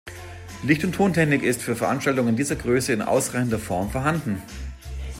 Licht- und Tontechnik ist für Veranstaltungen dieser Größe in ausreichender Form vorhanden.